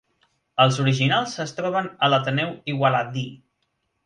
Els originals es troben a l'Ateneu Igualadí.